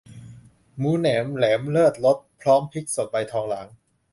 หมูแนมแหลมเลิศรส พร้อมพริกสดใบทองหลาง